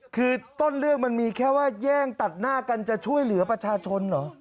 คือต้นเรื่องมันมีแค่ว่าแย่งตัดหน้ากันจะช่วยเหลือประชาชนเหรอ